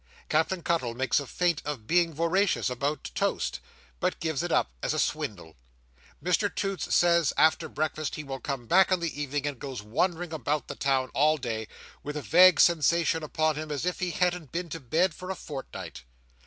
Captain Cuttle makes a feint of being voracious about toast, but gives it up as a swindle. Mr Toots says, after breakfast, he will come back in the evening; and goes wandering about the town all day, with a vague sensation upon him as if he hadn't been to bed for a fortnight.